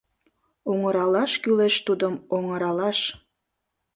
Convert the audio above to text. Оҥыралаш кӱлеш тудым, оҥыралаш...